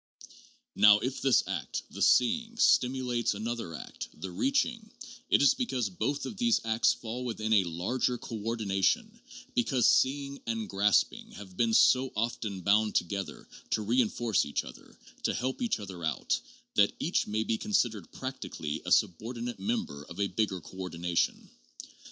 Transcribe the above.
Now if this act, the seeing, stimulates another act, the reaching, it is because both of these acts fall within a larger coordination ; because seeing and grasping have been so often bound together to reinforce each other, to help each other out, that each may be considered practically a subordinate member of a bigger coordination.